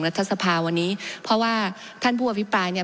รัฐสภาวันนี้เพราะว่าท่านผู้อภิปรายเนี่ย